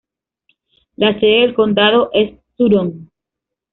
La sede del condado es Sutton.